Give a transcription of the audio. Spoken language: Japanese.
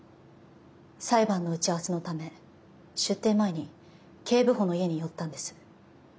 裁判の打ち合わせのため出廷前に警部補の家に寄ったんです。